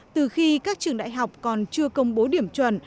từ khi các trường đại học còn chưa công bố điểm chuẩn